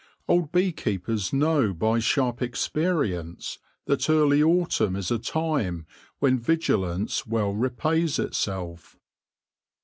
Old bee keepers know by sharp experience that early autumn is a time when vigilance well repays itself.